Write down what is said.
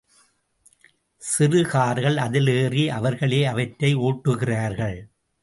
சிறு கார்கள் அதில் ஏறி அவர்களே அவற்றை ஓட்டுகிறார்கள்.